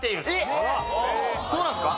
そうなんですか！？